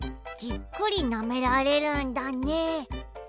じっくりなめられるんだね。